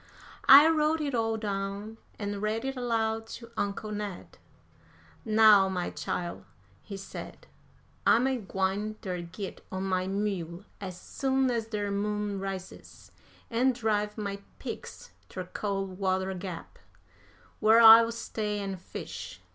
I wrote it all down and read it aloud to Uncle Ned. "Now, my chile," he said, "I'm a gwine ter git on my mule as soon as der moon rises, an' drive my pigs ter Col' Water Gap, whar I'll stay an' fish.